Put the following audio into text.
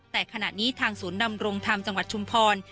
แต่ขณะนี้ทางศูนย์ดำรงธรรมจังหวัดชุมพร